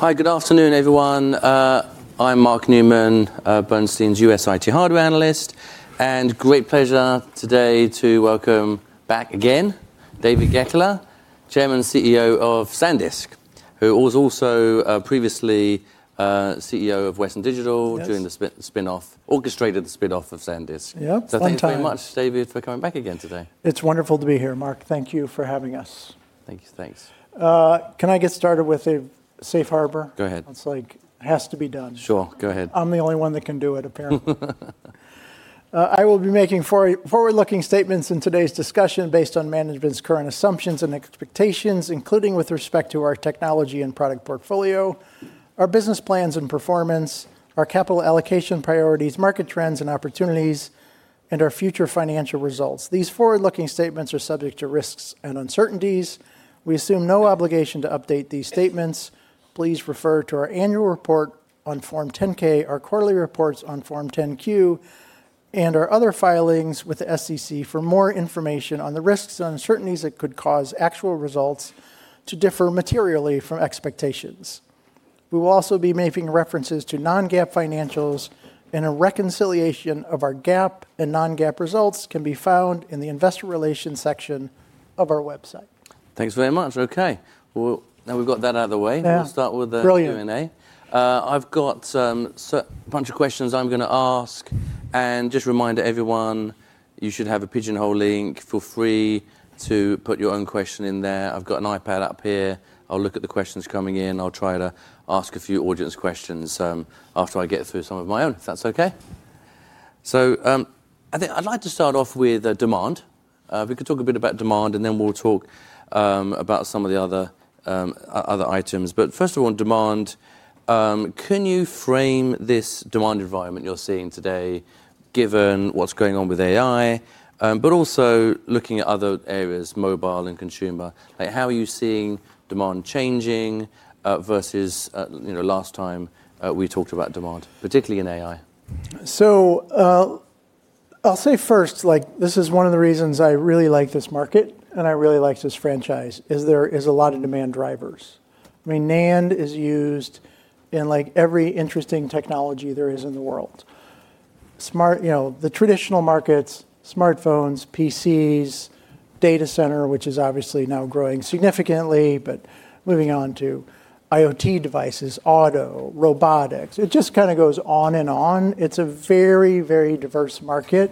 Hi. Good afternoon, everyone. I'm Mark Newman, Bernstein's U.S. IT Hardware Analyst, great pleasure today to welcome back again, David Goeckeler, Chairman, CEO of SanDisk, who was also previously CEO of Western Digital. Yes. During the spin-off. Orchestrated the spin-off of SanDisk. Yep. Fun times. Thank you very much, David, for coming back again today. It's wonderful to be here, Mark. Thank you for having us. Thank you. Thanks. Can I get started with a safe harbor? Go ahead. It's like it has to be done. Sure. Go ahead. I'm the only one that can do it, apparently. I will be making forward-looking statements in today's discussion based on management's current assumptions and expectations, including with respect to our technology and product portfolio, our business plans and performance, our capital allocation priorities, market trends and opportunities, and our future financial results. These forward-looking statements are subject to risks and uncertainties. We assume no obligation to update these statements. Please refer to our annual report on Form 10-K, our quarterly reports on Form 10-Q, and our other filings with the SEC for more information on the risks and uncertainties that could cause actual results to differ materially from expectations. We will also be making references to non-GAAP financials, and a reconciliation of our GAAP and non-GAAP results can be found in the investor relations section of our website. Thanks very much. Okay. Now we've got that out of the way. Yeah. We'll start with the- Brilliant. Q&A. I've got a bunch of questions I'm going to ask. Just a reminder, everyone, you should have a Pigeonhole link. Feel free to put your own question in there. I've got an iPad up here. I'll look at the questions coming in. I'll try to ask a few audience questions after I get through some of my own, if that's okay. I think, I'd like to start off with demand. If we could talk a bit about demand and then we'll talk about some of the other items. First of all, on demand, can you frame this demand environment you're seeing today given what's going on with AI, but also looking at other areas, mobile and consumer? How are you seeing demand changing versus last time we talked about demand, particularly in AI? I'll say first, this is one of the reasons I really like this market and I really like this franchise, is there is a lot of demand drivers. NAND is used in every interesting technology there is in the world. The traditional markets, smartphones, PCs, data center, which is obviously now growing significantly, but moving on to IoT devices, auto, robotics. It just kind of goes on and on. It's a very diverse market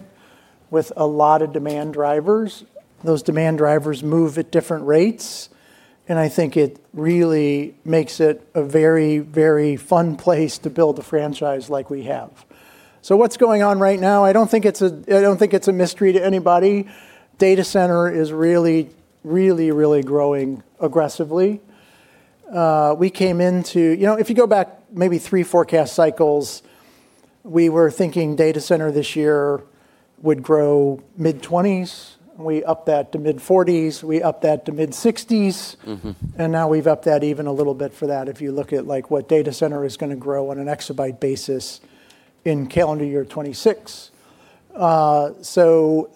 with a lot of demand drivers. Those demand drivers move at different rates, and I think it really makes it a very fun place to build a franchise like we have. What's going on right now? I don't think it's a mystery to anybody. Data center is really growing aggressively. If you go back maybe three forecast cycles, we were thinking data center this year would grow mid-20s. We upped that to mid-40s. We upped that to mid-60s. Now we've upped that even a little bit further, if you look at what data center is going to grow on an exabyte basis in calendar year 2026.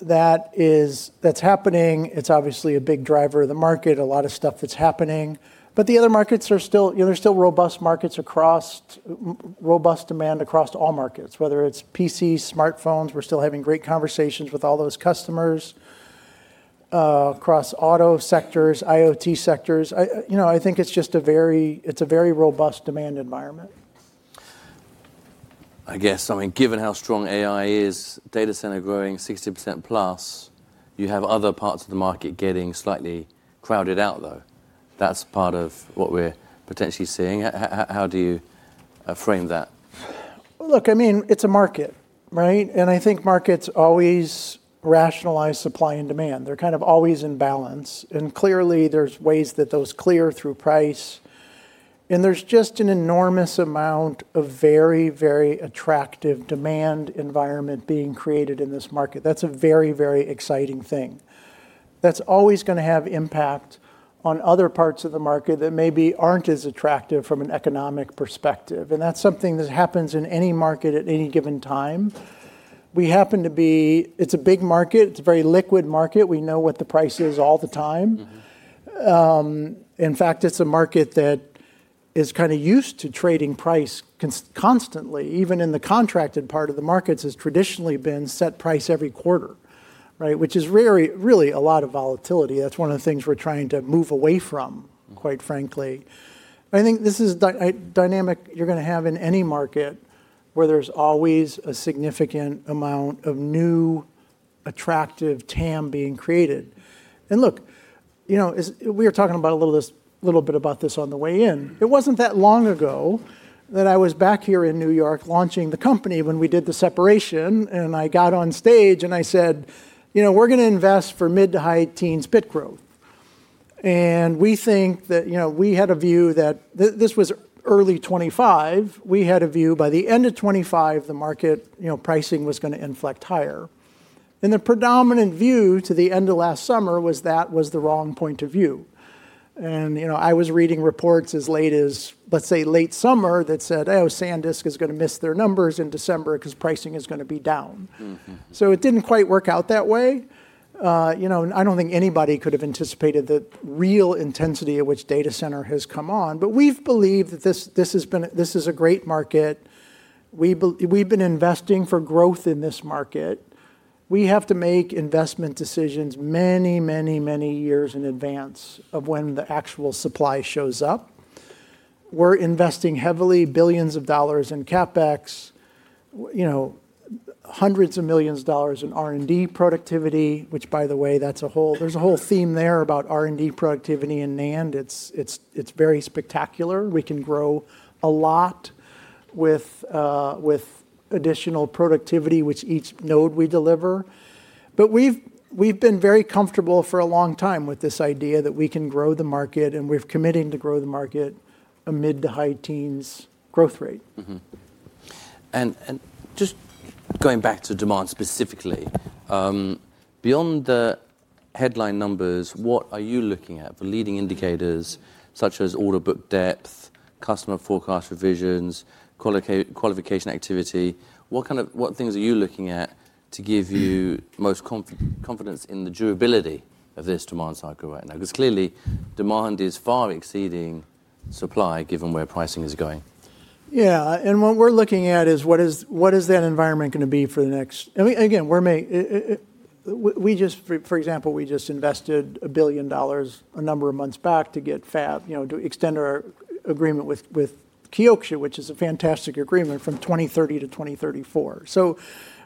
That's happening. It's obviously a big driver of the market, a lot of stuff that's happening. The other markets, there's still robust demand across all markets, whether it's PCs, smartphones. We're still having great conversations with all those customers across auto sectors, IoT sectors. I think it's a very robust demand environment. I guess, given how strong AI is, data center growing 60% plus, you have other parts of the market getting slightly crowded out, though. That's part of what we're potentially seeing. How do you frame that? Look, it's a market, right? I think markets always rationalize supply and demand. They're kind of always in balance, clearly there's ways that those clear through price, there's just an enormous amount of very attractive demand environment being created in this market. That's a very exciting thing. That's always going to have impact on other parts of the market that maybe aren't as attractive from an economic perspective, that's something that happens in any market at any given time. It's a big market. It's a very liquid market. We know what the price is all the time. In fact, it's a market that is kind of used to trading price constantly, even in the contracted part of the markets, has traditionally been set price every quarter which is really a lot of volatility. That's one of the things we're trying to move away from, quite frankly. I think this is a dynamic you're going to have in any market where there's always a significant amount of new, attractive TAM being created. Look, we were talking a little bit about this on the way in. It wasn't that long ago that I was back here in New York launching the company when we did the separation, and I got on stage and I said, "We're going to invest for mid to high teens bit growth." This was early 2025. We had a view, by the end of 2025, the market pricing was going to inflect higher. The predominant view to the end of last summer was that was the wrong point of view. I was reading reports as late as, let's say, late summer that said, "SanDisk is going to miss their numbers in December because pricing is going to be down.'' It didn't quite work out that way. I don't think anybody could have anticipated the real intensity at which data center has come on. We've believed that this is a great market. We've been investing for growth in this market. We have to make investment decisions many, many, many years in advance of when the actual supply shows up. We're investing heavily, billions of dollars in CapEx, hundreds of millions of dollars in R&D productivity, which by the way, there's a whole theme there about R&D productivity and NAND. It's very spectacular. We can grow a lot with additional productivity, which each node we deliver. We've been very comfortable for a long time with this idea that we can grow the market, and we're committing to grow the market mid to high teens growth rate. Just going back to demand specifically, beyond the headline numbers, what are you looking at for leading indicators such as order book depth, customer forecast revisions, qualification activity? What things are you looking at to give you the most confidence in the durability of this demand cycle right now? Because clearly demand is far exceeding supply, given where pricing is going. Yeah. What we're looking at is what is that environment going to be for the next. For example, we just invested $1 billion a number of months back to extend our agreement with Kioxia, which is a fantastic agreement, from 2030 to 2034.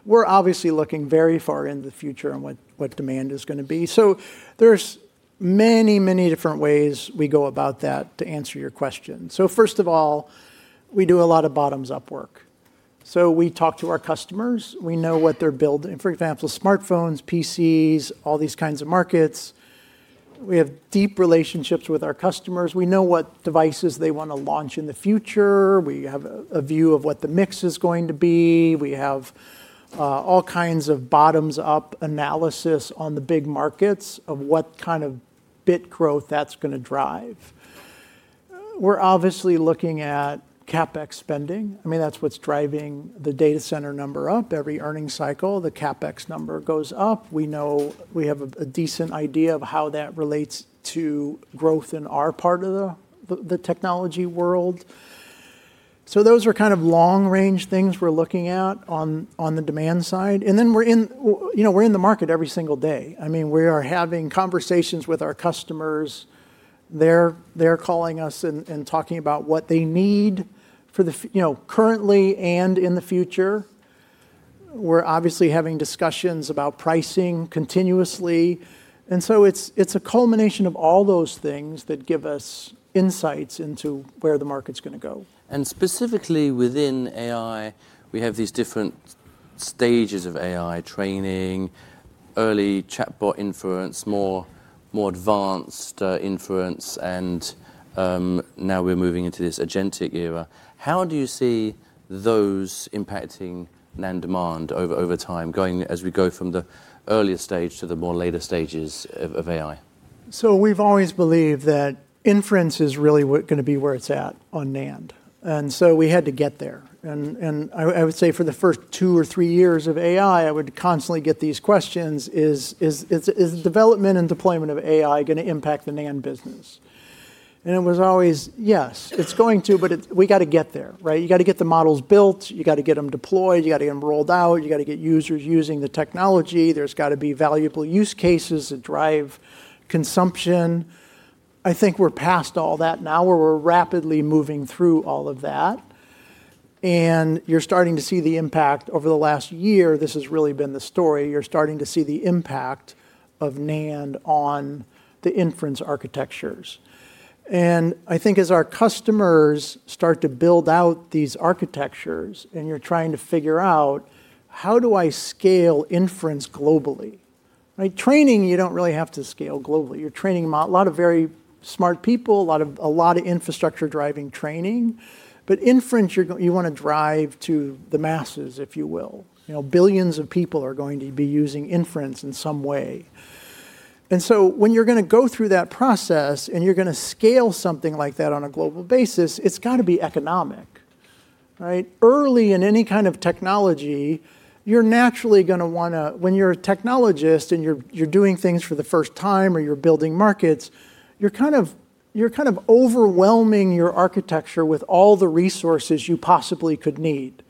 We're obviously looking very far in the future on what demand is going to be. There's many different ways we go about that, to answer your question. First of all, we do a lot of bottoms-up work. We talk to our customers. We know what they're building. For example, smartphones, PCs, all these kinds of markets. We have deep relationships with our customers. We know what devices they want to launch in the future. We have a view of what the mix is going to be. We have all kinds of bottoms-up analysis on the big markets of what kind of bit growth that's going to drive. We're obviously looking at CapEx spending. That's what's driving the data center number up. Every earning cycle, the CapEx number goes up. We have a decent idea of how that relates to growth in our part of the technology world. Those are kind of long-range things we're looking at on the demand side. We're in the market every single day. We are having conversations with our customers. They're calling us and talking about what they need currently and in the future. We're obviously having discussions about pricing continuously. It's a culmination of all those things that give us insights into where the market's going to go. Specifically within AI, we have these different stages of AI training, early chatbot inference, more advanced inference, and now we're moving into this agentic era. How do you see those impacting NAND demand over time, as we go from the earlier stage to the more later stages of AI? We've always believed that inference is really going to be where it's at on NAND and so had to get there. And I would say for the first two or three years of AI, I would constantly get these questions, "Is the development and deployment of AI going to impact the NAND business?" It was always, yes, it's going to, but we got to get there. You got to get the models built. You got to get them deployed. You got to get them rolled out. You got to get users using the technology. There's got to be valuable use cases that drive consumption. I think we're past all that now, or we're rapidly moving through all of that, and you're starting to see the impact. Over the last year, this has really been the story. You're starting to see the impact of NAND on the inference architectures. I think as our customers start to build out these architectures and you're trying to figure out, how do I scale inference globally? Training, you don't really have to scale globally. You're training a lot of very smart people, a lot of infrastructure driving training. Inference, you want to drive to the masses, if you will. Billions of people are going to be using inference in some way. When you're going to go through that process and you're going to scale something like that on a global basis, it's got to be economic. Early in any kind of technology, when you're a technologist and you're doing things for the first time or you're building markets, you're kind of overwhelming your architecture with all the resources you possibly could need.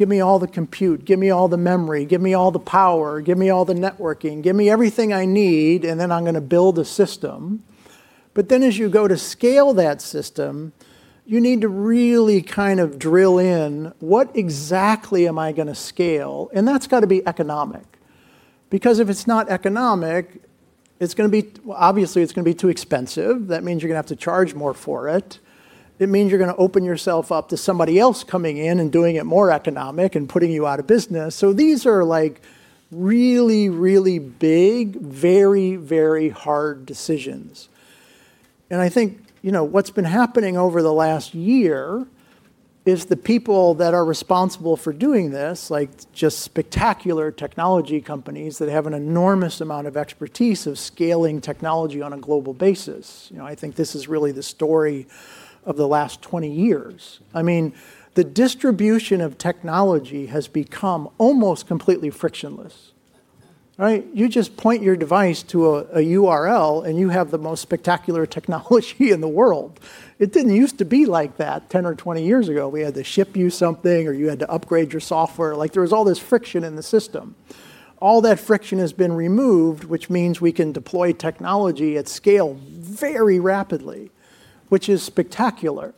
Give me all the compute, give me all the memory, give me all the power, give me all the networking, give me everything I need, and then I'm going to build a system. As you go to scale that system, you need to really kind of drill in, what exactly am I going to scale? That's got to be economic because if it's not economic, obviously it's going to be too expensive. That means you're going to have to charge more for it. It means you're going to open yourself up to somebody else coming in and doing it more economically and putting you out of business. These are really, really big, very, very hard decisions. I think what's been happening over the last year is the people that are responsible for doing this, just spectacular technology companies that have an enormous amount of expertise of scaling technology on a global basis. I think this is really the story of the last 20 years. The distribution of technology has become almost completely frictionless. Right? You just point your device to a URL, and you have the most spectacular technology in the world. It didn't used to be like that 10 or 20 years ago. We had to ship you something, or you had to upgrade your software. There was all this friction in the system. All that friction has been removed, which means we can deploy technology at scale very rapidly which is spectacular.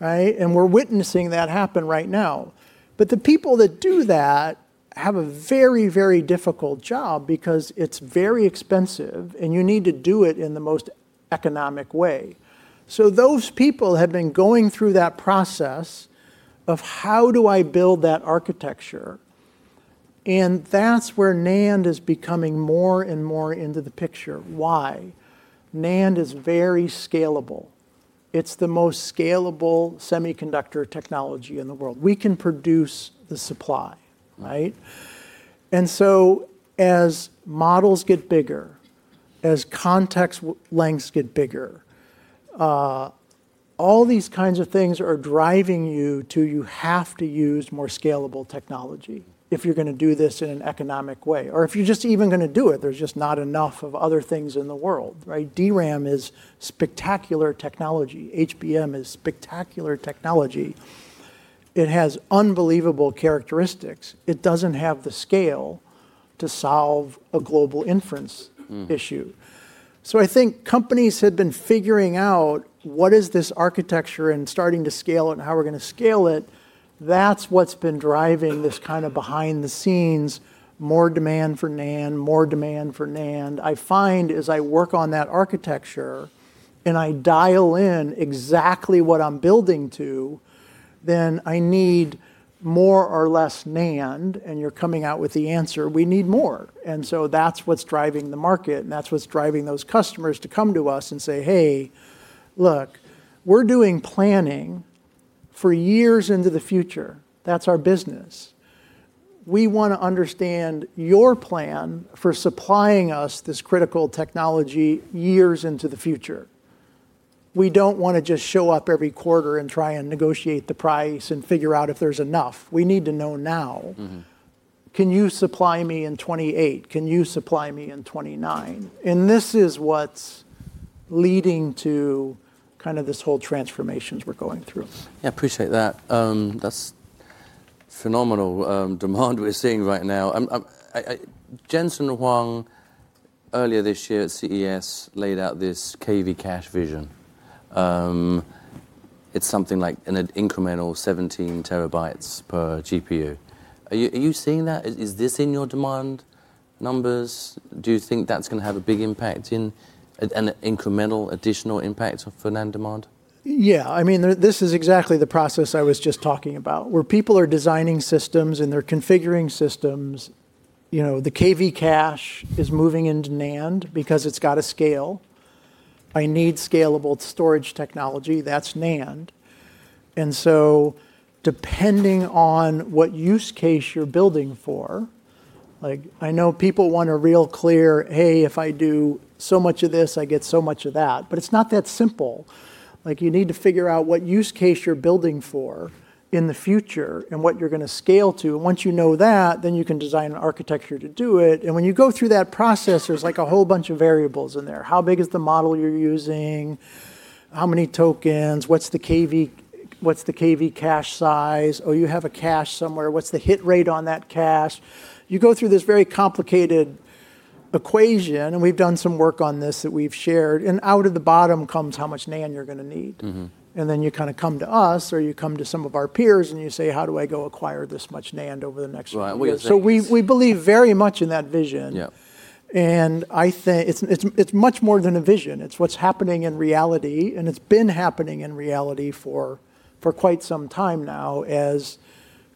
Right? We're witnessing that happen right now. The people that do that have a very difficult job because it's very expensive, and you need to do it in the most economic way. Those people have been going through that process of how do I build that architecture, and that's where NAND is becoming more and more into the picture. Why? NAND is very scalable. It's the most scalable semiconductor technology in the world. We can produce the supply. Right? As models get bigger, as context lengths get bigger, all these kinds of things are driving you to, you have to use more scalable technology if you're going to do this in an economic way or if you're just even going to do it, there's just not enough of other things in the world, right? DRAM is spectacular technology. HBM is spectacular technology. It has unbelievable characteristics. It doesn't have the scale to solve a global inference issue. I think companies have been figuring out what is this architecture and starting to scale it and how we're going to scale it. That's what's been driving this kind of behind-the-scenes, more demand for NAND. I find as I work on that architecture and I dial in exactly what I'm building to, then I need more or less NAND, and you're coming out with the answer, we need more. That's what's driving the market, and that's what's driving those customers to come to us and say, "Hey, look, we're doing planning for years into the future. That's our business. We want to understand your plan for supplying us this critical technology years into the future. We don't want to just show up every quarter and try and negotiate the price and figure out if there's enough. We need to know now. Can you supply me in 2028? Can you supply me in 2029?" This is what's leading to kind of this whole transformations we're going through. Yeah, appreciate that. That's phenomenal demand we're seeing right now. Jensen Huang, earlier this year at CES, laid out this KV cache vision. It's something like an incremental 17 TB per GPU. Are you seeing that? Is this in your demand numbers? Do you think that's going to have a big impact, an incremental additional impact for NAND demand? Yeah. This is exactly the process I was just talking about, where people are designing systems, and they're configuring systems. The KV cache is moving into NAND because it's got to scale. I need scalable storage technology. That's NAND. Depending on what use case you're building for, I know people want a real clear, "Hey, if I do so much of this, I get so much of that." It's not that simple. You need to figure out what use case you're building for in the future and what you're going to scale to. Once you know that, you can design an architecture to do it. When you go through that process, there's a whole bunch of variables in there. How big is the model you're using? How many tokens? What's the KV cache size? Oh, you have a cache somewhere. What's the hit rate on that cache? You go through this very complicated equation, we've done some work on this that we've shared. Out of the bottom comes how much NAND you're going to need. You kind of come to us, or you come to some of our peers, and you say, "How do I go acquire this much NAND over the next few years?'' Right. We believe very much in that vision. Yeah. I think it's much more than a vision. It's what's happening in reality, and it's been happening in reality for quite some time now as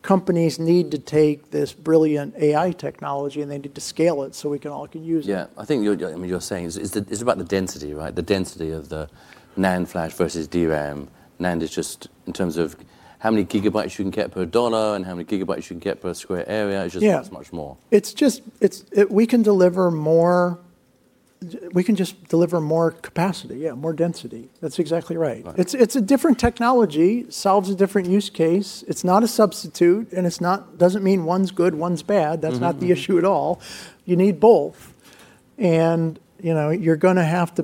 companies need to take this brilliant AI technology, and they need to scale it so we all can use it. Yeah. I think what you're saying is, it's about the density, right? The density of the NAND flash versus DRAM. NAND is just, in terms of how many gigabytes you can get per dollar and how many gigabytes you can get per square area. Yeah. It's just that it's much more. We can just deliver more capacity. Yeah, more density. That's exactly right. Right. It's a different technology, solves a different use case. It's not a substitute, and it doesn't mean one's good, one's bad. That's not the issue at all. You need both. You're going to have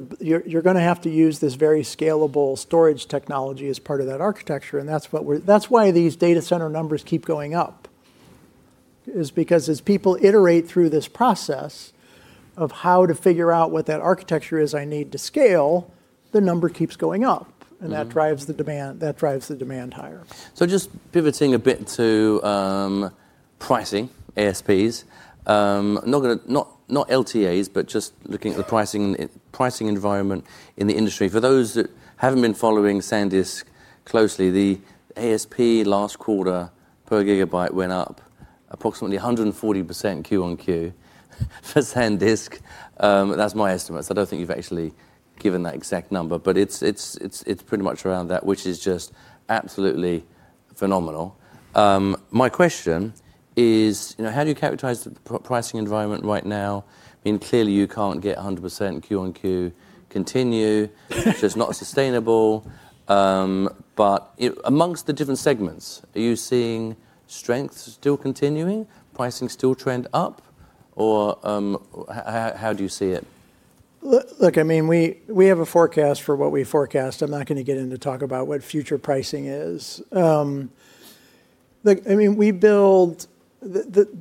to use this very scalable storage technology as part of that architecture, and that's why these data center numbers keep going up. Is because as people iterate through this process of how to figure out what that architecture is I need to scale, the number keeps going up. That drives the demand higher. Just pivoting a bit to pricing, ASPs. Not LTAs, just looking at the pricing environment in the industry. For those that haven't been following SanDisk closely, the ASP last quarter per gigabyte went up approximately 140% Q-on-Q for SanDisk. That's my estimate. I don't think you've actually given that exact number, but it's pretty much around that which is just absolutely phenomenal. My question is, how do you characterize the pricing environment right now? Clearly you can't get 100% Q-on-Q continue. It's just not sustainable. Amongst the different segments, are you seeing strength still continuing? Pricing still trend up? How do you see it? Look, we have a forecast for what we forecast. I'm not going to get into talk about what future pricing is. The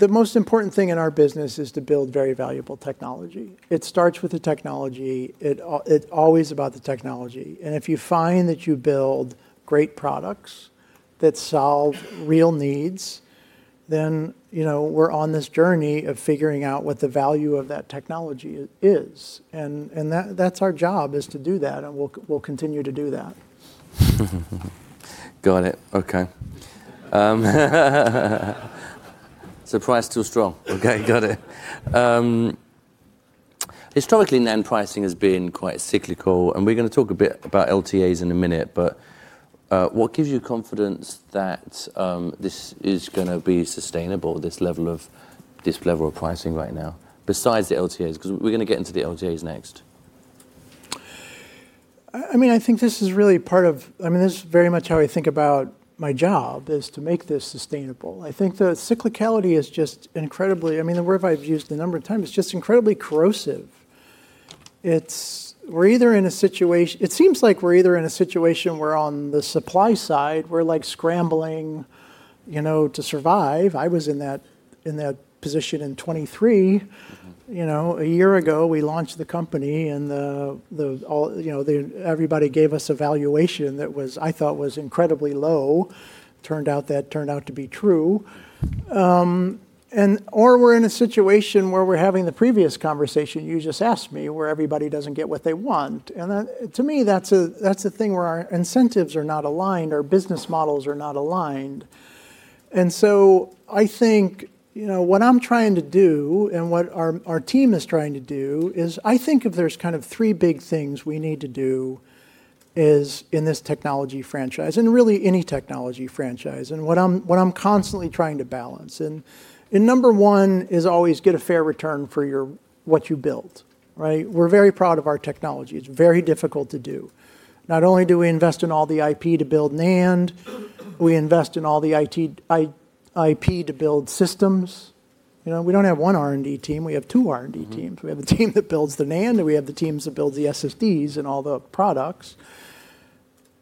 most important thing in our business is to build very valuable technology. It starts with the technology. It's always about the technology. If you find that you build great products that solve real needs, then we're on this journey of figuring out what the value of that technology is. That's our job, is to do that, and we'll continue to do that. Got it. Okay. Price too strong. Okay. Got it. Historically, NAND pricing has been quite cyclical, and we're going to talk a bit about LTAs in a minute, but what gives you confidence that this is going to be sustainable, this level of pricing right now, besides the LTAs? We're going to get into the LTAs next. This is very much how I think about my job, is to make this sustainable. I think the cyclicality is just incredibly, the word I've used a number of times, it's just incredibly corrosive. It seems like we're either in a situation where on the supply side, we're scrambling to survive. I was in that position in 2023. A year ago, we launched the company and everybody gave us a valuation that I thought was incredibly low. Turned out that turned out to be true. We're in a situation where we're having the previous conversation you just asked me, where everybody doesn't get what they want. To me, that's a thing where our incentives are not aligned, our business models are not aligned. I think what I'm trying to do, and what our team is trying to do is, I think if there's kind of three big things we need to do is in this technology franchise, and really any technology franchise, and what I'm constantly trying to balance. Number one is always get a fair return for what you build. Right? We're very proud of our technology. It's very difficult to do. Not only do we invest in all the IP to build NAND, we invest in all the IP to build systems. We don't have one R&D team, we have two R&D teams. We have a team that builds the NAND, and we have the teams that build the SSDs and all the products.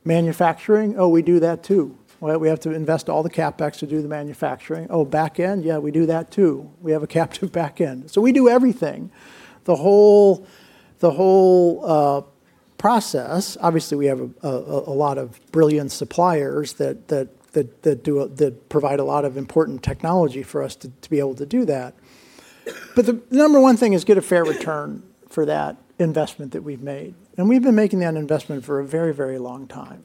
Manufacturing, oh, we do that too. We have to invest all the CapEx to do the manufacturing. Oh, backend? Yeah, we do that too. We have a captive backend. We do everything. The whole process, obviously, we have a lot of brilliant suppliers that provide a lot of important technology for us to be able to do that. The number one thing is get a fair return for that investment that we've made. We've been making that investment for a very long time.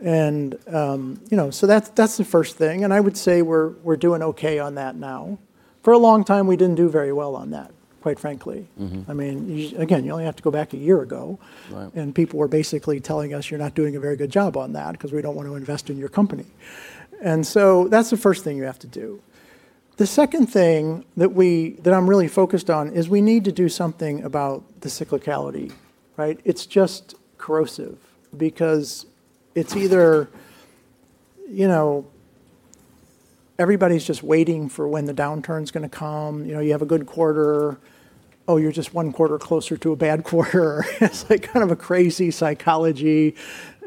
That's the first thing, and I would say we're doing okay on that now. For a long time, we didn't do very well on that, quite frankly. Again, you only have to go back a year ago. Right. People were basically telling us, "You're not doing a very good job on that because we don't want to invest in your company." That's the first thing you have to do. The second thing that I'm really focused on is we need to do something about the cyclicality. Right? It's just corrosive because it's either everybody's just waiting for when the downturn's going to come. You have a good quarter. Oh, you're just one quarter closer to a bad quarter or it's like kind of a crazy psychology.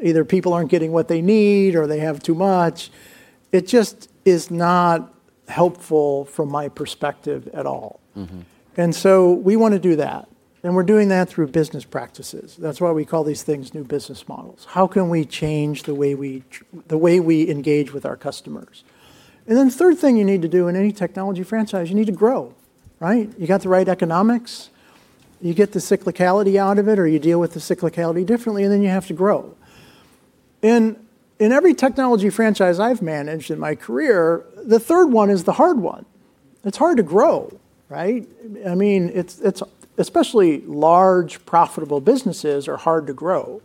Either people aren't getting what they need or they have too much. It just is not helpful from my perspective at all. We want to do that, and we're doing that through business practices. That's why we call these things new business models. How can we change the way we engage with our customers? The third thing you need to do in any technology franchise, you need to grow. Right? You got the right economics, you get the cyclicality out of it, or you deal with the cyclicality differently, and then you have to grow. In every technology franchise I've managed in my career, the third one is the hard one. It's hard to grow, right? Especially large profitable businesses are hard to grow.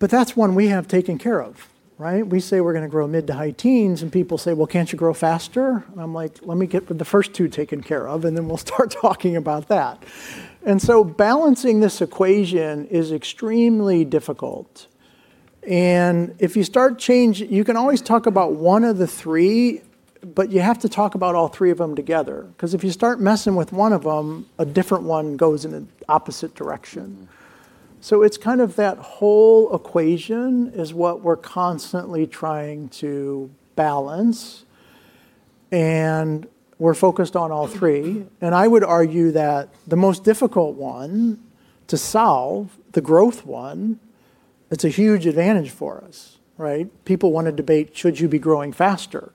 That's one we have taken care of, right? We say we're going to grow mid to high teens and people say, "Well, can't you grow faster?" I'm like, "Let me get the first two taken care of, then we'll start talking about that." Balancing this equation is extremely difficult. If you start change, you can always talk about one of the three, but you have to talk about all three of them together because if you start messing with one of them, a different one goes in an opposite direction. It's kind of that whole equation is what we're constantly trying to balance, and we're focused on all three. I would argue that the most difficult one to solve, the growth one, it's a huge advantage for us, right? People want to debate, should you be growing faster?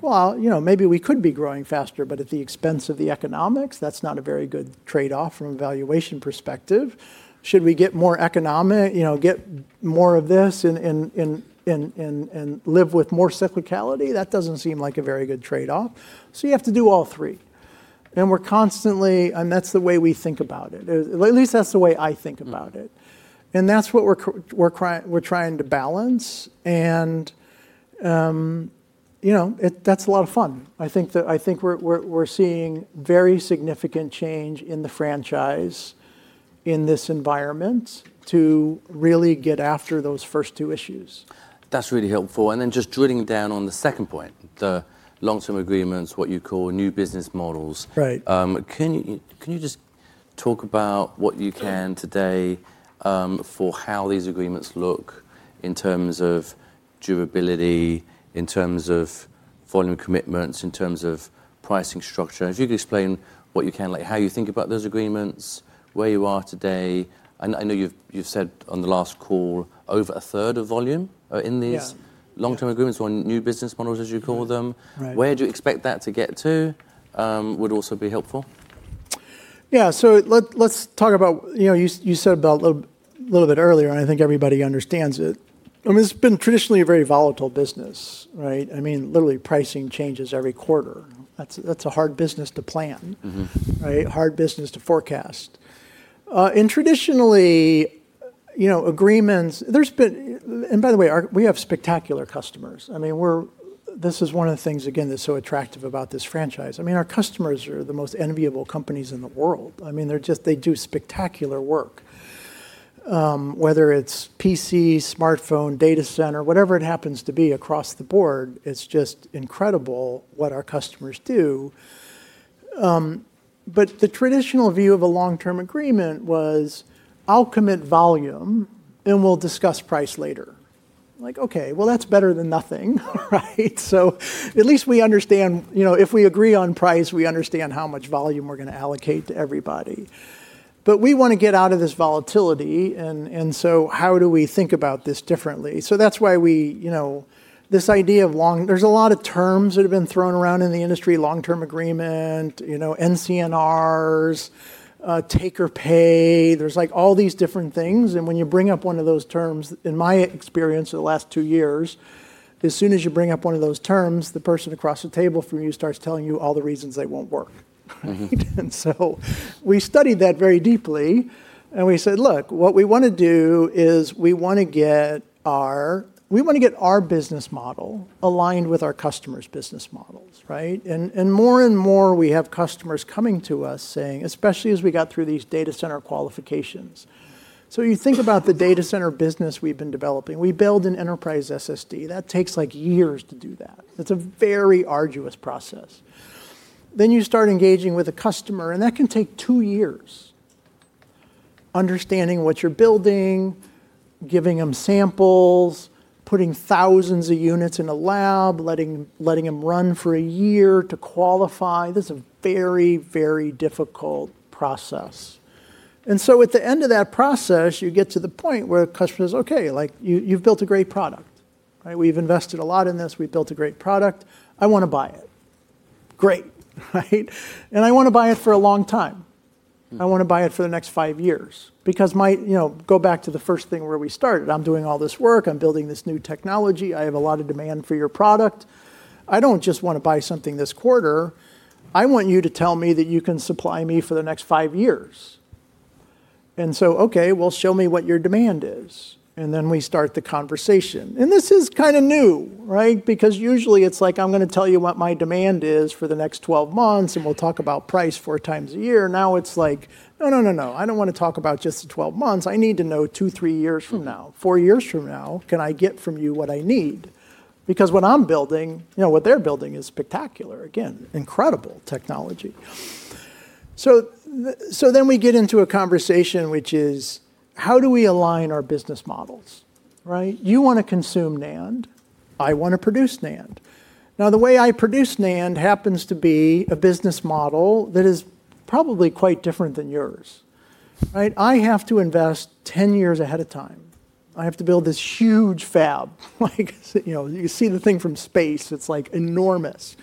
Well, maybe we could be growing faster, but at the expense of the economics, that's not a very good trade-off from a valuation perspective. Should we get more of this and live with more cyclicality? That doesn't seem like a very good trade-off. You have to do all three. That's the way we think about it. At least that's the way I think about it. That's what we're trying to balance. That's a lot of fun. I think we're seeing very significant change in the franchise in this environment to really get after those first two issues. That's really helpful. Just drilling down on the second point, the long-term agreements, what you call new business models. Right. Can you just talk about what you can today, for how these agreements look in terms of durability, in terms of volume commitments, in terms of pricing structure? If you could explain what you can, like how you think about those agreements, where you are today. I know you've said on the last call over a third of volume are in these-. Yeah. Long-term agreements or new business models, as you call them. Right. Where do you expect that to get to? Would also be helpful. Yeah. Let's talk about, you said a little bit earlier. I think everybody understands it. It's been traditionally a very volatile business, right? Literally pricing changes every quarter. That's a hard business to plan. Right? Hard business to forecast. Traditionally, agreements, there's been-- By the way, we have spectacular customers. This is one of the things, again, that's so attractive about this franchise. Our customers are the most enviable companies in the world. They do spectacular work. Whether it's PC, smartphone, data center, whatever it happens to be across the board, it's just incredible what our customers do. The traditional view of a long-term agreement was, "I'll commit volume, and we'll discuss price later." Like, okay. Well, that's better than nothing, right? At least we understand, if we agree on price, we understand how much volume we're going to allocate to everybody. We want to get out of this volatility and so how do we think about this differently? That's why we, this idea of long-- There's a lot of terms that have been thrown around in the industry, long-term agreement, NCNR, take or pay. There's all these different things. When you bring up one of those terms, in my experience for the last two years, as soon as you bring up one of those terms, the person across the table from you starts telling you all the reasons they won't work. We studied that very deeply, and we said, look, what we want to do is we want to get our business model aligned with our customers' business models, right? More and more, we have customers coming to us saying, especially as we got through these data center qualifications. You think about the data center business we've been developing. We build an enterprise SSD. That takes like years to do that. It's a very arduous process. You start engaging with a customer, and that can take two years. Understanding what you're building, giving them samples, putting thousands of units in a lab, letting them run for a year to qualify. This is a very difficult process. At the end of that process, you get to the point where a customer says, "Okay, you've built a great product. We've invested a lot in this. We've built a great product. I want to buy it. Great. Right? I want to buy it for a long time. I want to buy it for the next five years because go back to the first thing where we started. I'm doing all this work. I'm building this new technology. I have a lot of demand for your product. I don't just want to buy something this quarter. I want you to tell me that you can supply me for the next five years.'' Okay, well show me what your demand is? Then we start the conversation. This is kind of new, right? Because usually it's like, I'm going to tell you what my demand is for the next 12 months, and we'll talk about price four times a year. It's like, no, I don't want to talk about just the 12 months. I need to know two, three years from now. Four years from now, can I get from you what I need? What I'm building, what they're building is spectacular, again, incredible technology. We get into a conversation which is, how do we align our business models, right? You want to consume NAND. I want to produce NAND. The way I produce NAND happens to be a business model that is probably quite different than yours. I have to invest 10 years ahead of time. I have to build this huge fab. You see the thing from space, it's enormous.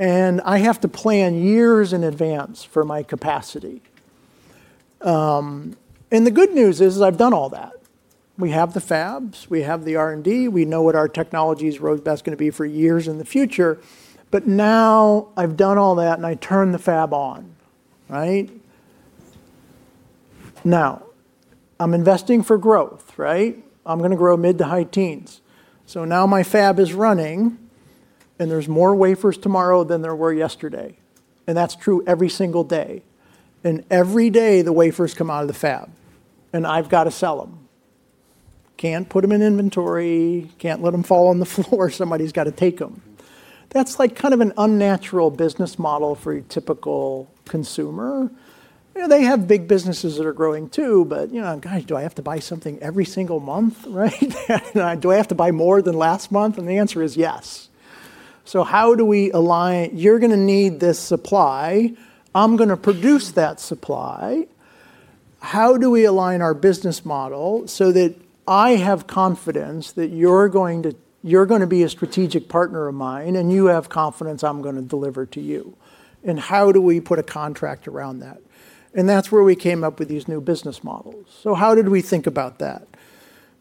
I have to plan years in advance for my capacity. The good news is I've done all that. We have the fabs, we have the R&D. We know what our technology's road map's going to be for years in the future. Now I've done all that and I turn the fab on, right? Now I'm investing for growth, right? I'm going to grow mid to high teens. Now my fab is running and there's more wafers tomorrow than there were yesterday. That's true every single day. Every day the wafers come out of the fab and I've got to sell them. Can't put them in inventory, can't let them fall on the floor. Somebody's got to take them. That's an unnatural business model for your typical consumer. They have big businesses that are growing too, but gosh, do I have to buy something every single month, right? Do I have to buy more than last month? The answer is yes. How do we align? You're going to need this supply. I'm going to produce that supply. How do we align our business model so that I have confidence that you're going to be a strategic partner of mine and you have confidence I'm going to deliver to you? How do we put a contract around that? That's where we came up with these new business models. How did we think about that?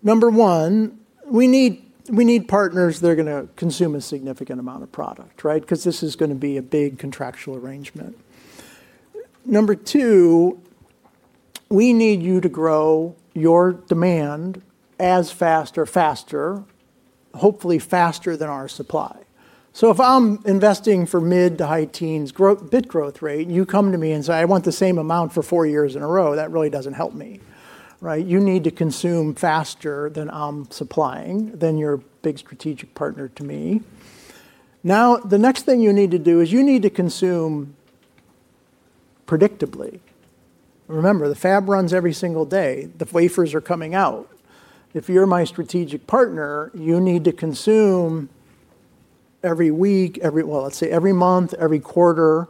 Number one, we need partners that are going to consume a significant amount of product, right? Because this is going to be a big contractual arrangement. Number two, we need you to grow your demand as fast or faster hopefully faster than our supply. If I'm investing for mid to high teens bit growth rate, and you come to me and say, "I want the same amount for four years in a row," that really doesn't help me. Right? You need to consume faster than I'm supplying, than you're a big strategic partner to me. The next thing you need to do is you need to consume predictably. Remember, the fab runs every single day. The wafers are coming out. If you're my strategic partner, you need to consume every week, well, let's say every month, every quarter.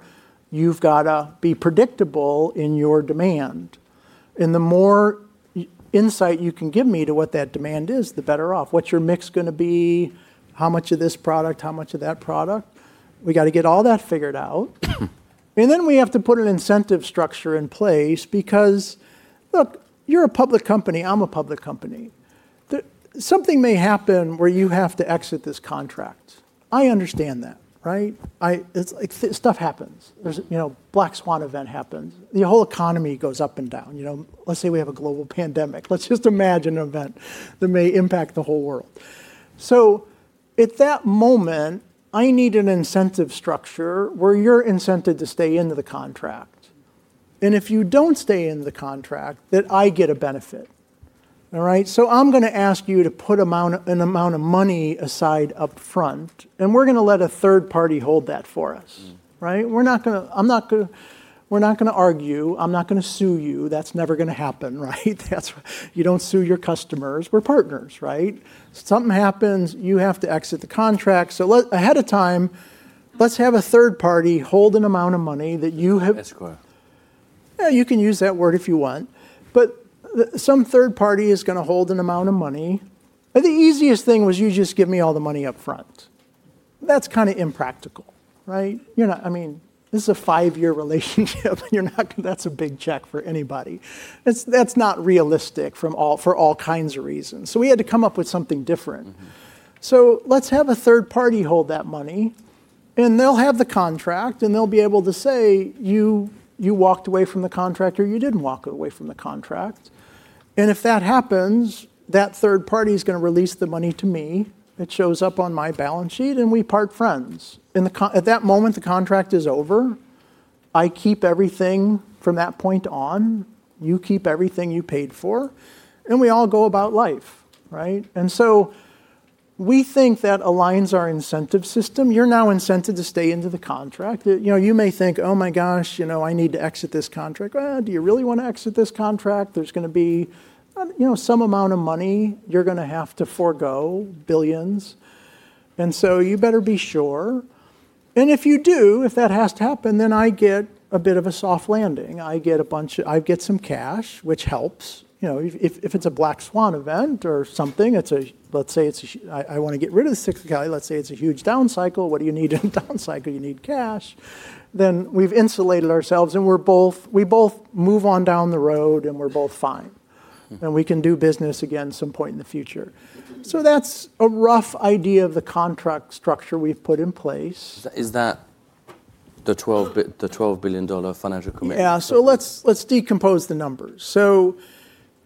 You've got to be predictable in your demand. The more insight you can give me to what that demand is, the better off. What's your mix going to be? How much of this product? How much of that product? We got to get all that figured out. Then we have to put an incentive structure in place because, look, you're a public company. I'm a public company. Something may happen where you have to exit this contract. I understand that, right? Stuff happens. Yeah. There's a Black Swan event happens. The whole economy goes up and down. Let's say we have a global pandemic. Let's just imagine an event that may impact the whole world. At that moment, I need an incentive structure where you're incented to stay into the contract. If you don't stay in the contract, that I get a benefit. All right? I'm going to ask you to put an amount of money aside up front, and we're going to let a third party hold that for us. Right? We're not going to argue. I'm not going to sue you. That's never going to happen, right? You don't sue your customers. We're partners, right? Something happens, you have to exit the contract. Ahead of time, let's have a third party hold an amount of money that you have- Escrow. Yeah, you can use that word if you want. Some third party is going to hold an amount of money. The easiest thing was you just give me all the money up front. That's kind of impractical, right? This is a five-year relationship. That's a big check for anybody. That's not realistic for all kinds of reasons. We had to come up with something different. Let's have a third party hold that money, and they'll have the contract, and they'll be able to say, "You walked away from the contract" or "You didn't walk away from the contract." If that happens, that third party's going to release the money to me, it shows up on my balance sheet, and we part friends. At that moment, the contract is over. I keep everything from that point on. You keep everything you paid for. We all go about life, right? We think that aligns our incentive system. You're now incented to stay into the contract. You may think, "Oh my gosh, I need to exit this contract." Well, do you really want to exit this contract? There's going to be some amount of money you're going to have to forgo, billions. You better be sure. If you do, if that has to happen, I get a bit of a soft landing. I get some cash, which helps. If it's a Black Swan event or something, let's say I want to get rid of the 64, let's say it's a huge down cycle. What do you need in a down cycle? You need cash. We've insulated ourselves, and we both move on down the road, and we're both fine. We can do business again some point in the future. That's a rough idea of the contract structure we've put in place. Is that the $12 billion financial commitment? Yeah. Let's decompose the numbers.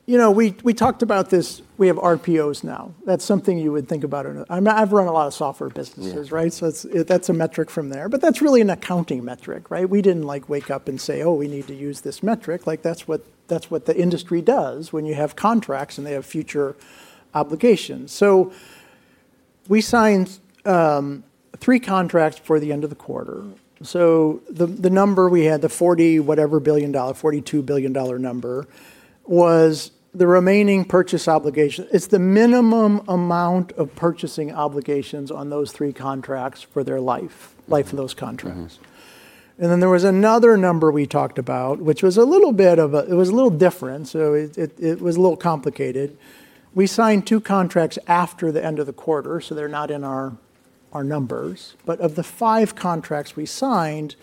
We talked about this. We have RPOs now. That's something you would think about. I've run a lot of software businesses, right? Yeah. That's a metric from there. That's really an accounting metric, right? We didn't wake up and say, "Oh, we need to use this metric." That's what the industry does when you have contracts, and they have future obligations. We signed three contracts before the end of the quarter. The number we had, the $40-whatever billion, $42 billion number, was the remaining purchase obligation. It's the minimum amount of purchasing obligations on those three contracts for their life. Life of those contracts. There was another number we talked about which was a little different, so it was a little complicated. We signed two contracts after the end of the quarter, so they're not in our numbers. Of the five contracts we signed,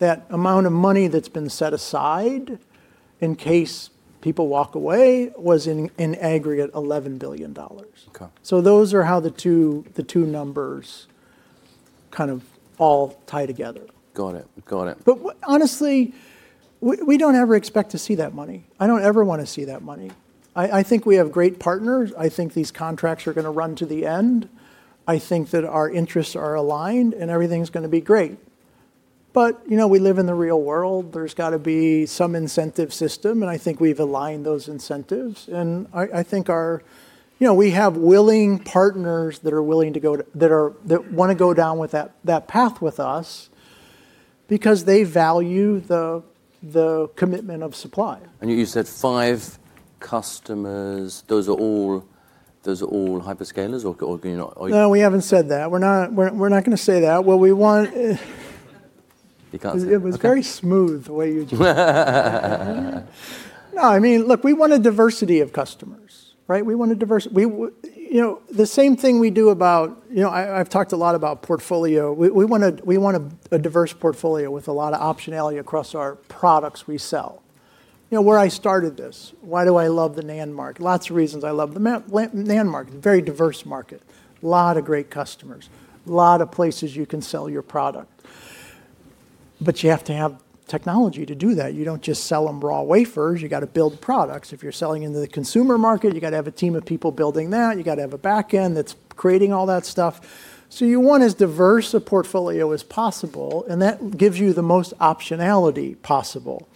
that amount of money that's been set aside in case people walk away was in aggregate $11 billion. Okay. Those are how the two numbers kind of all tie together. Got it. Honestly, we don't ever expect to see that money. I don't ever want to see that money. I think we have great partners. I think these contracts are going to run to the end. I think that our interests are aligned, and everything's going to be great. We live in the real world. There's got to be some incentive system and I think we've aligned those incentives. I think we have willing partners that want to go down that path with us because they value the commitment of supply. You said five customers. Those are all hyperscalers or can you not? No, we haven't said that. We're not going to say that. You can't say. Okay It was very smooth the way you. No, look, we want a diversity of customers, right? We want a diverse. The same thing we do about, I've talked a lot about portfolio. We want a diverse portfolio with a lot of optionality across our products we sell. Where I started this, why do I love the NAND market? Lots of reasons I love the NAND market. It's a very diverse market. Lot of great customers. Lot of places you can sell your product. You have to have technology to do that. You don't just sell them raw wafers. You got to build products. If you're selling into the consumer market, you got to have a team of people building that. You got to have a backend that's creating all that stuff. You want as diverse a portfolio as possible and that gives you the most optionality possible.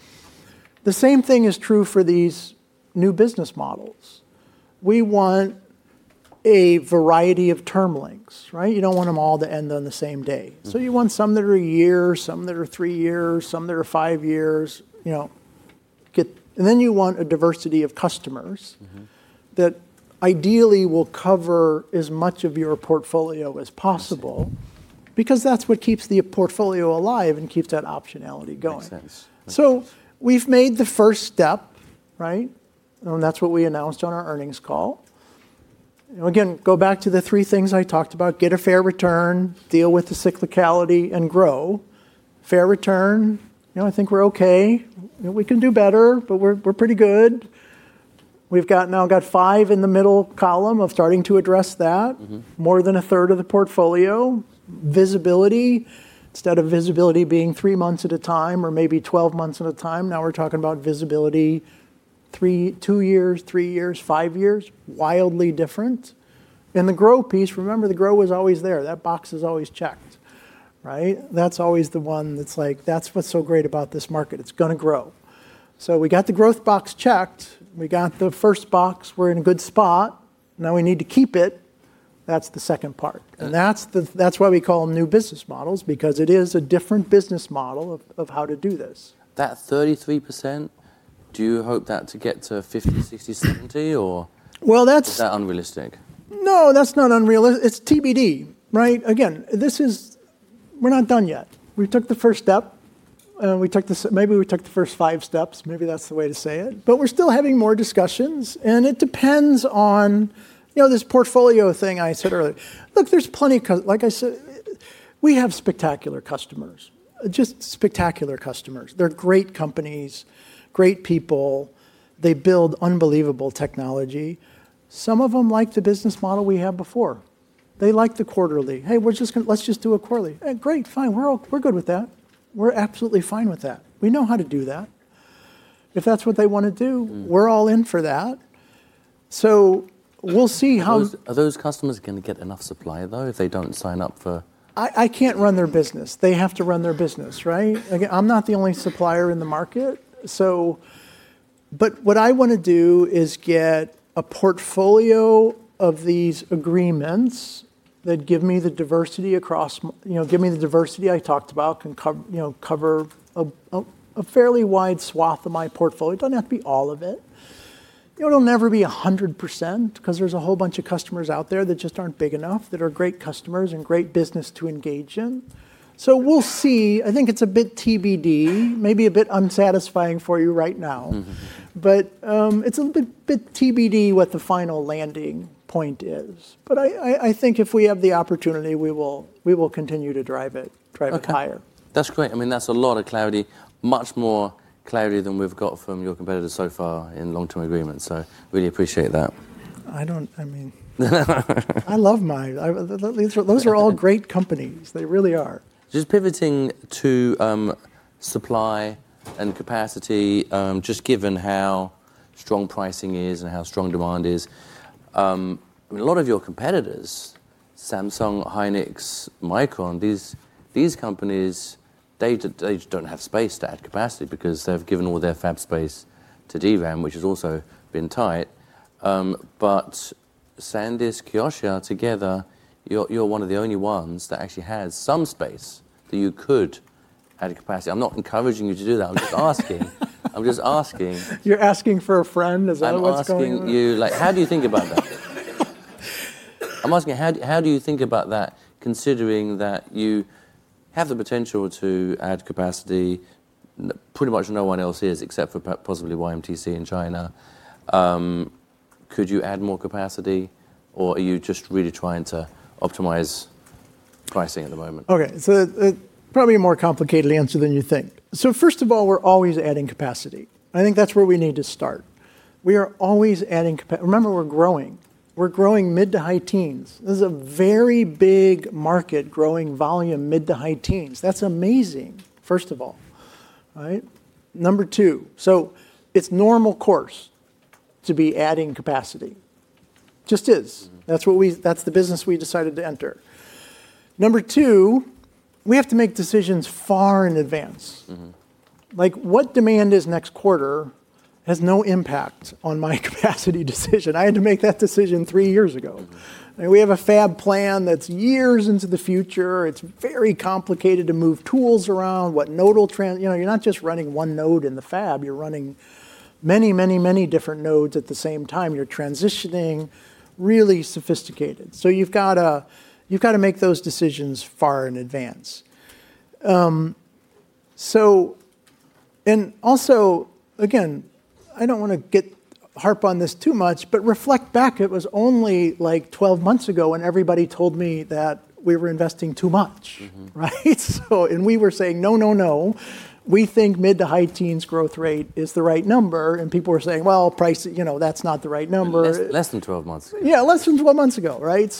The same thing is true for these new business models. We want a variety of term lengths, right? You don't want them all to end on the same day. You want some that are a year, some that are three years, some that are five years. You want a diversity of customers. That ideally will cover as much of your portfolio as possible. Because that's what keeps the portfolio alive and keeps that optionality going. Makes sense. We've made the first step, right? That's what we announced on our earnings call. Go back to the three things I talked about, get a fair return, deal with the cyclicality, and grow. Fair return, I think we're okay. We can do better, but we're pretty good. We've now got five in the middle column of starting to address that. More than a third of the portfolio. Visibility, instead of visibility being three months at a time or maybe 12 months at a time, now we're talking about visibility two years, three years, five years. Wildly different. The grow piece, remember the grow was always there. That box is always checked, right? That's always the one that's like, "That's what's so great about this market. It's going to grow." We got the growth box checked. We got the first box. We're in a good spot. Now we need to keep it. That's the second part. That's why we call them new business models, because it is a different business model of how to do this. That 33%, do you hope that to get to 50, 60, 70, or? Well, Is that unrealistic? No, that's not unreal. It's TBD, right? Again, we're not done yet. We took the first step, and maybe we took the first five steps. Maybe that's the way to say it. We're still having more discussions, and it depends on this portfolio thing I said earlier. Look, we have spectacular customers. Just spectacular customers. They're great companies, great people. They build unbelievable technology. Some of them like the business model we had before. They like the quarterly. "Hey, let's just do it quarterly." Great. Fine. We're good with that. We're absolutely fine with that. We know how to do that. If that's what they want to do? We're all in for that. Are those customers going to get enough supply, though, if they don't sign up? I can't run their business. They have to run their business, right? Again, I'm not the only supplier in the market. What I want to do is get a portfolio of these agreements that give me the diversity I talked about, can cover a fairly wide swath of my portfolio. It doesn't have to be all of it. It'll never be 100% because there's a whole bunch of customers out there that just aren't big enough, that are great customers and great business to engage in. We'll see. I think it's a bit TBD, maybe a bit unsatisfying for you right now. It's a bit TBD what the final landing point is. I think if we have the opportunity, we will continue to drive it higher. Okay. That's great. That's a lot of clarity, much more clarity than we've got from your competitors so far in long-term agreements, so really appreciate that. I mean, Those are all great companies. They really are. Just pivoting to supply and capacity, just given how strong pricing is and how strong demand is. A lot of your competitors, Samsung, Hynix, Micron, these companies, they just don't have space to add capacity because they've given all their fab space to DRAM, which has also been tight. SanDisk, Kioxia together, you're one of the only ones that actually has some space that you could add capacity. I'm not encouraging you to do that. I'm just asking. You're asking for a friend. Is that what's going on? I'm asking you, how do you think about that? I'm asking, how do you think about that, considering that you have the potential to add capacity? Pretty much no one else is except for possibly YMTC in China. Could you add more capacity, or are you just really trying to optimize pricing at the moment? Okay. It's probably a more complicated answer than you think. First of all, we're always adding capacity. I think that's where we need to start. We are always adding capacity. Remember, we're growing. We're growing mid to high teens. This is a very big market, growing volume mid to high teens. That's amazing, first of all. Right? Number two, it's normal course to be adding capacity. Just is. That's the business we decided to enter. Number two, we have to make decisions far in advance. What demand is next quarter has no impact on my capacity decision. I had to make that decision three years ago. We have a fab plan that's years into the future. It's very complicated to move tools around, what nodal trend. You're not just running one node in the fab. You're running many, many, many different nodes at the same time. You're transitioning. Really sophisticated. You've got to make those decisions far in advance. Also, again, I don't want to harp on this too much but reflect back, it was only 12 months ago when everybody told me that we were investing too much. Right? We were saying, "No, no. We think mid to high teens growth rate is the right number." People were saying, "Well, that's not the right number. Less than 12 months ago. Yeah, less than 12 months ago, right?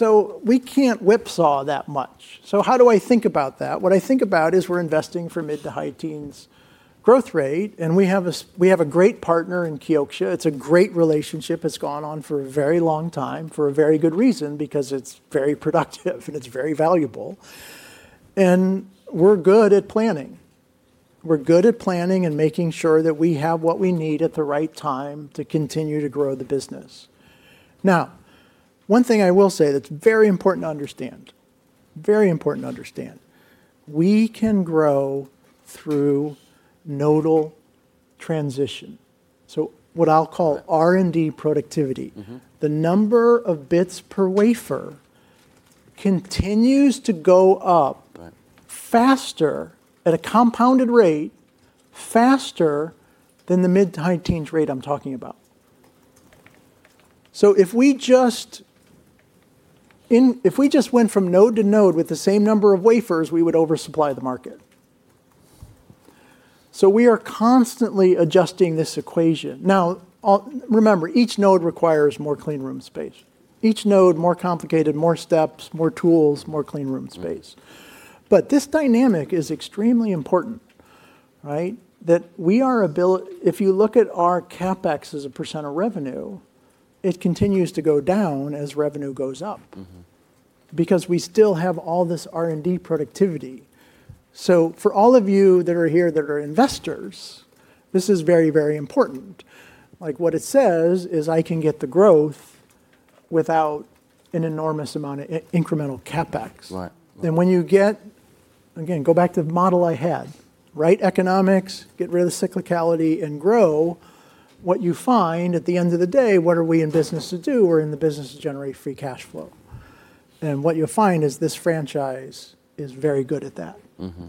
We can't whipsaw that much. How do I think about that? What I think about is we're investing for mid to high teens growth rate, and we have a great partner in Kioxia. It's a great relationship. It's gone on for a very long time, for a very good reason, because it's very productive and it's very valuable. We're good at planning. We're good at planning and making sure that we have what we need at the right time to continue to grow the business. Now, one thing I will say that's very important to understand. We can grow through nodal transition. What I'll call R&D productivity. The number of bits per wafer continues to go up. Right. Faster, at a compounded rate, faster than the mid to high teens rate I'm talking about. If we just went from node to node with the same number of wafers, we would oversupply the market. We are constantly adjusting this equation. Remember, each node requires more clean room space. Each node, more complicated, more steps, more tools, more clean room space. This dynamic is extremely important, that if you look at our CapEx as a percent of revenue, it continues to go down as revenue goes up. Because we still have all this R&D productivity. For all of you that are here that are investors, this is very important. What it says is I can get the growth without an enormous amount of incremental CapEx. Right. Again, go back to the model I had, right economics, get rid of the cyclicality and grow, what you find at the end of the day, what are we in business to do? We're in the business to generate Free Cash Flow. What you'll find is this franchise is very good at that.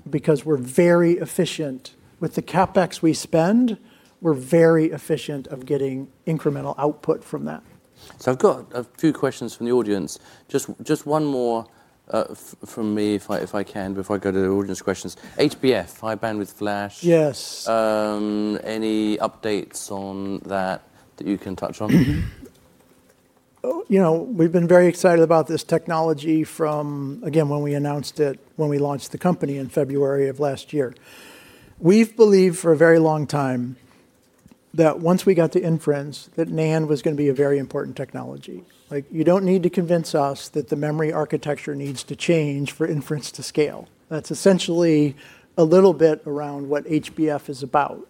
Because we're very efficient. With the CapEx we spend, we're very efficient of getting incremental output from that. I've got a few questions from the audience. Just one more from me if I can, before I go to the audience questions. HBF, High Bandwidth Flash. Yes. Any updates on that that you can touch on? We've been very excited about this technology from, again, when we announced it, when we launched the company in February of last year. We've believed for a very long time that once we got to inference, that NAND was going to be a very important technology. You don't need to convince us that the memory architecture needs to change for inference to scale. That's essentially a little bit around what HBF is about.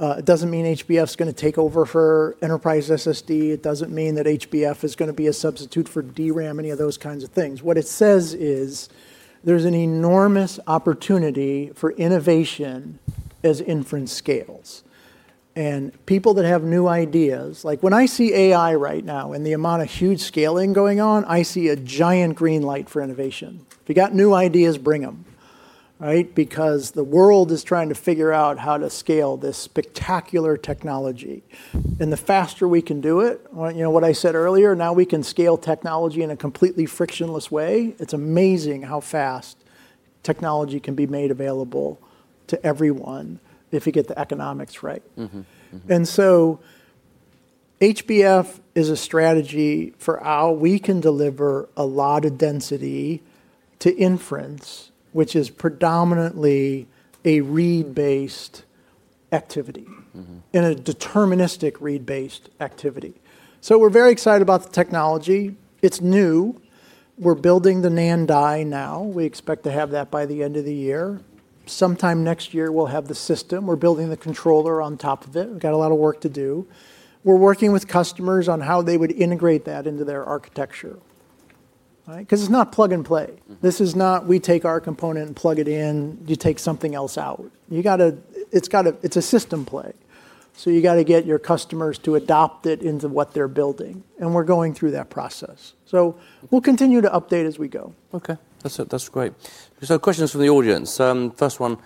It doesn't mean HBF is going to take over for enterprise SSD. It doesn't mean that HBF is going to be a substitute for DRAM, any of those kinds of things. What it says is there's an enormous opportunity for innovation as inference scales. People that have new ideas, like when I see AI right now and the amount of huge scaling going on, I see a giant green light for innovation. If you got new ideas, bring them. The world is trying to figure out how to scale this spectacular technology. The faster we can do it, you know what I said earlier, now we can scale technology in a completely frictionless way. It's amazing how fast technology can be made available to everyone if you get the economics right. HBF is a strategy for how we can deliver a lot of density to inference which is predominantly a read-based activity. A deterministic read-based activity. We're very excited about the technology. It's new. We're building the NAND die now. We expect to have that by the end of the year. Sometime next year, we'll have the system. We're building the controller on top of it. We've got a lot of work to do. We're working with customers on how they would integrate that into their architecture. It's not plug and play. This is not we take our component and plug it in, you take something else out. It's a system play. You got to get your customers to adopt it into what they're building, and we're going through that process. We'll continue to update as we go. Okay. That's great. Questions from the audience. First one,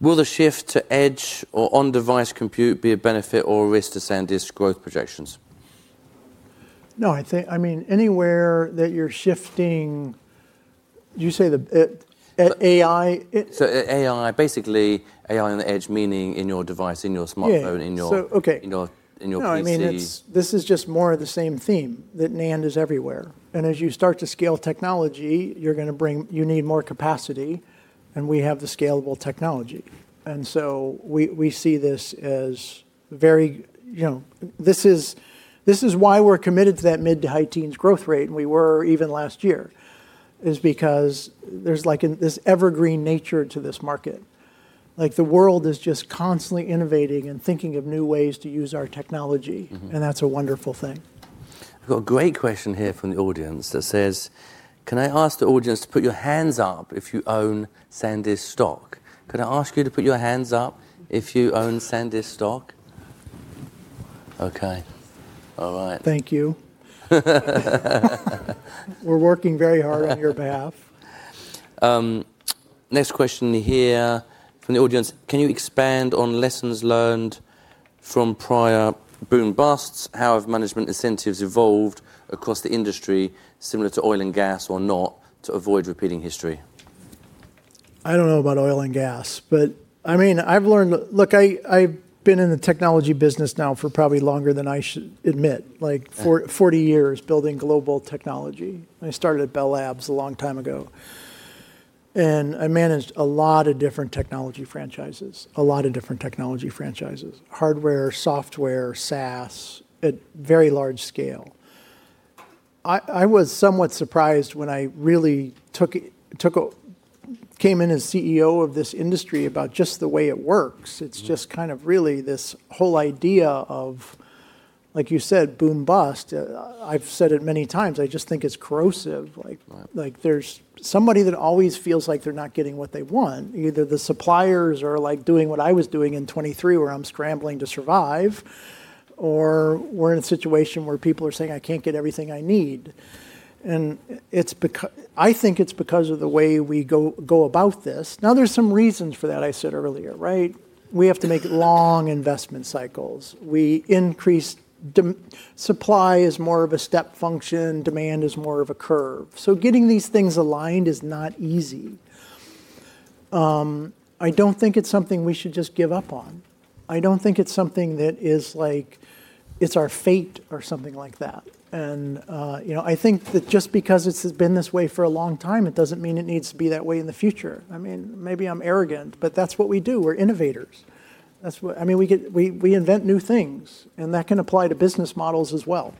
will the shift to edge or on-device compute be a benefit or a risk to SanDisk's growth projections? No. Anywhere that you're shifting, you say AI? AI, basically AI on the edge, meaning in your device, in your smartphone. Yeah. Okay. In your PCs. No, this is just more of the same theme, that NAND is everywhere. As you start to scale technology, you need more capacity, and we have the scalable technology. We see this as this is why we're committed to that mid to high teens growth rate, and we were even last year, is because there's like this evergreen nature to this market. Like the world is just constantly innovating and thinking of new ways to use our technology. That's a wonderful thing. I've got a great question here from the audience that says, "Can I ask the audience to put your hands up if you own SanDisk stock?" Could I ask you to put your hands up if you own SanDisk stock? Okay. All right. Thank you. We're working very hard on your behalf. Next question here from the audience. Can you expand on lessons learned from prior boom busts? How have management incentives evolved across the industry, similar to oil and gas or not, to avoid repeating history? I don't know about oil and gas, but I've been in the technology business now for probably longer than I should admit. Like 40 years building global technology. I started at Bell Labs a long time ago. I managed a lot of different technology franchises. Hardware, software, SaaS, at very large scale. I was somewhat surprised when I really came in as CEO of this industry about just the way it works. It's just kind of really this whole idea of, like you said, boom, bust. I've said it many times, I just think it's corrosive. Right. There's somebody that always feels like they're not getting what they want. Either the suppliers are doing what I was doing in 2023, where I'm scrambling to survive, or we're in a situation where people are saying, "I can't get everything I need." I think it's because of the way we go about this. Now, there's some reasons for that, I said earlier. We have to make long investment cycles. Supply is more of a step function. Demand is more of a curve. Getting these things aligned is not easy. I don't think it's something we should just give up on. I don't think it's something that is our fate or something like that. I think that just because it's been this way for a long time, it doesn't mean it needs to be that way in the future. Maybe I'm arrogant, but that's what we do. We're innovators. We invent new things, and that can apply to business models as well.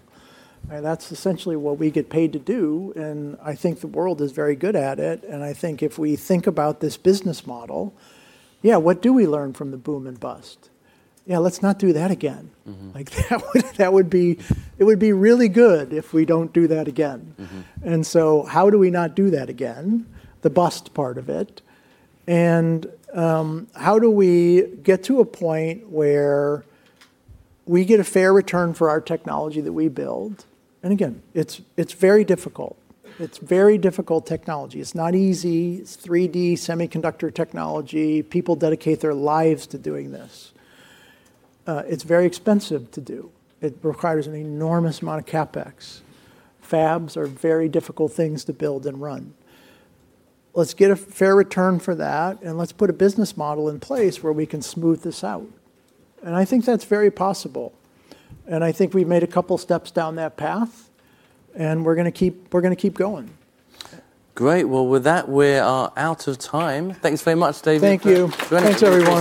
That's essentially what we get paid to do, and I think the world is very good at it. I think if we think about this business model, what do we learn from the boom and bust? Yeah, let's not do that again. It would be really good if we don't do that again. How do we not do that again, the bust part of it? How do we get to a point where we get a fair return for our technology that we build? Again, it's very difficult. It's very difficult technology. It's not easy. It's 3D semiconductor technology. People dedicate their lives to doing this. It's very expensive to do. It requires an enormous amount of CapEx. Fabs are very difficult things to build and run. Let's get a fair return for that, and let's put a business model in place where we can smooth this out. I think that's very possible, and I think we've made a couple steps down that path and we're going to keep going. Great. With that, we are out of time. Thanks very much, David. Thank you. Thanks, everyone.